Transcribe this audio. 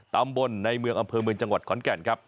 ตำบลในเมืองอำเภอเมืองจังหวัดขอนแก่นครับ